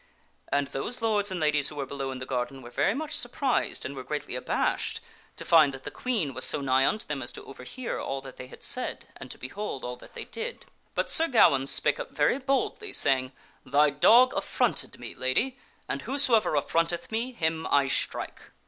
And those lords and ladies who were below in the gar den were very much surprised and were greatly abashed to find that the Queen was so nigh unto them as to overhear all that they had said and to behold all that they did. But Sir Gawaine spake up very boldly, saying, " Thy dog affronted me, Lady, and whosoever affronteth me, him I strike."